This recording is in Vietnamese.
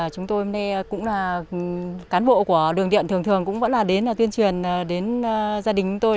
chúng tôi cũng là cán bộ của đường điện thường thường cũng đến tuyên truyền đến gia đình tôi